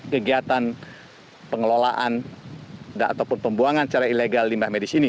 kegiatan pengelolaan ataupun pembuangan secara ilegal limbah medis ini